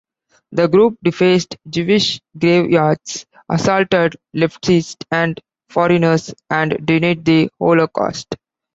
The group defaced Jewish graveyards, assaulted leftists and foreigners, and denied the Holocaust.